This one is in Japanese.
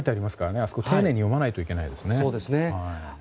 あそこ、丁寧に読まないといけないですね。